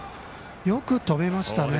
よく止めましたね。